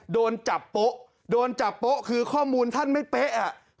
โดนจับโป๊ะโดนจับโป๊ะคือข้อมูลท่านไม่เป๊ะอ่ะ